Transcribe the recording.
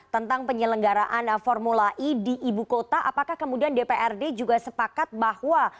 tentang penyelenggaraan formula e di ibu kota apakah kemudian dprd juga sepakat bahwa